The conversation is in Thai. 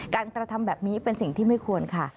กระทำแบบนี้เป็นสิ่งที่ไม่ควรค่ะ